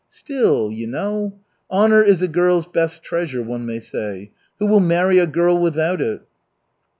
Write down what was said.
"Still, you know. Honor is a girl's best treasure, one may say. Who will marry a girl without it?"